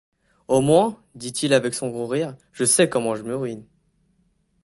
Au moins, dit-il avec son gros rire, je sais comment je me ruine.